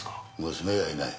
娘はいない。